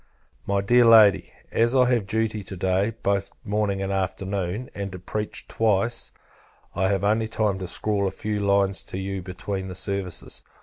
My Dear Lady, As I have duty to day, both morning and afternoon, and to preach twice, I have only time to scrawl a few lines to you between the services.